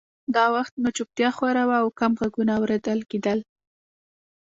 دا وخت نو چوپتیا خوره وه او کم غږونه اورېدل کېدل